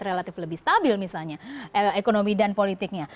relatif lebih stabil misalnya ekonomi dan politiknya